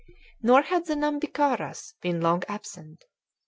Nor had the Nhambiquaras been long absent.